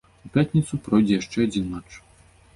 У пятніцу пройдзе яшчэ адзін матч.